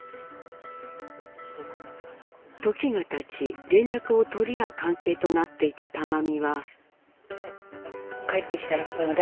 時がたち連絡を取り合う関係となっていた玉美は。